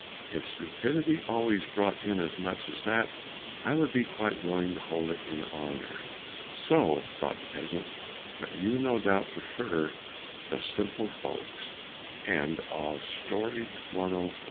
If stupidity always brought in as much as that, I would be quite willing to hold it in honor." So thought the peasant, but you no doubt prefer the simple folks. 105 Stories about